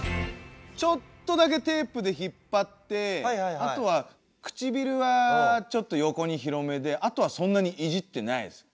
ちょっとだけテープで引っぱってあとはくちびるはちょっとよこに広めであとはそんなにいじってないです。